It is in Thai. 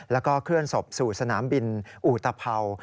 แล้วก็เคลื่อนศพสู่สนามบินอุตภัวร์